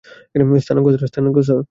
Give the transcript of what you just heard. স্থানাঙ্ক, স্যার।